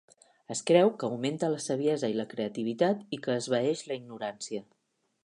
Es creu que augmenta la saviesa i la creativitat i que esvaeix la ignorància.